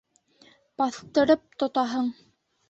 — Баҫтырып тотаһың.